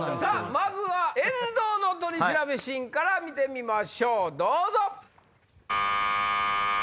まずは遠藤の取調べシーンから見てみましょうどうぞ！